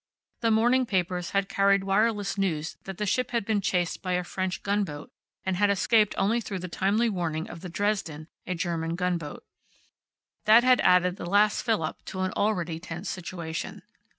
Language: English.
The morning papers had carried wireless news that the ship had been chased by a French gunboat and had escaped only through the timely warning of the Dresden, a German gunboat. That had added the last fillip to an already tense situation.